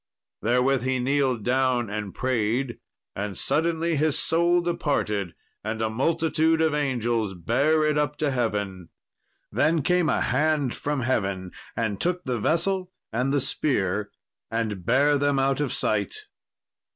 Therewith he kneeled down and prayed, and suddenly his soul departed, and a multitude of angels bare it up to heaven. Then came a hand from heaven and took the vessel and the spear and bare them out of sight.